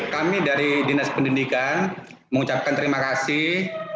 kami dari dinas pendidikan mengucapkan terima kasih